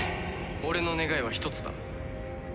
俺の願いは一つだ。